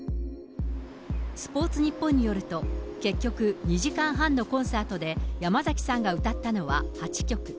スポーツニッポンによると、結局、２時間半のコンサートで山崎さんが歌ったのは８曲。